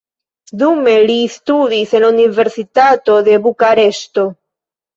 Dume li studis en la universitato de Bukareŝto.